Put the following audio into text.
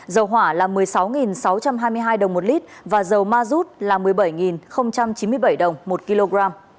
dầu hỏa là một mươi sáu sáu trăm hai mươi hai đồng một lít và dầu ma rút là một mươi bảy chín mươi bảy đồng một kg